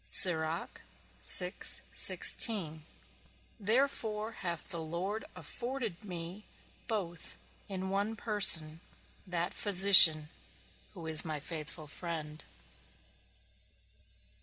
Therefore hath the Lord afforded me both in one person, that physician who is my faithful friend.